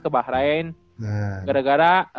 ke bahrain gara gara